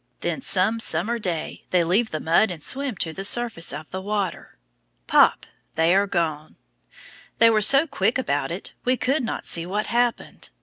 Then some summer day they leave the mud and swim to the surface of the water. Pop! they are gone. They were so quick about it we could not see what happened.